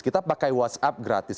kita pakai whatsapp gratis